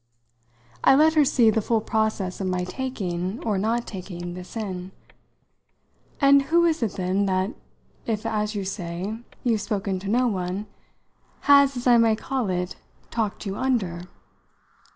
I let her see the full process of my taking or not taking this in. "And who is it then that if, as you say, you've spoken to no one has, as I may call it, talked you under?"